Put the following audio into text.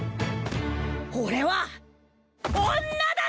俺は女だぞ！